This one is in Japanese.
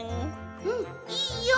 うんいいよ。